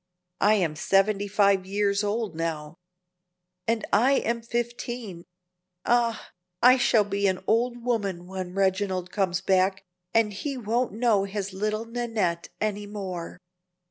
I am seventy five years old now." "And I am fifteen. Ah! I shall be an old woman when Reginald comes back, and he won't know his little Nannette any more!"